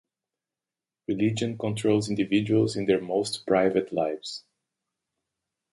Religion controls individuals in their most private lives.